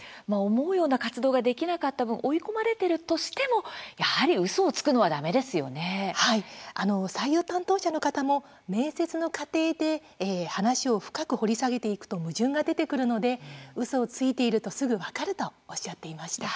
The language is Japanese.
思うような活動ができなかったと追い込まれてるとしてもやはり、うそをつくのははい、採用担当者の方も面接の過程で話を深く掘り下げていくと矛盾が出てくるのでうそをついていると、すぐ分かるとおっしゃっていました。